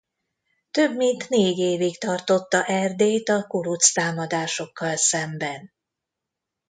Több mint négy évig tartotta Erdélyt a kuruc támadásokkal szemben.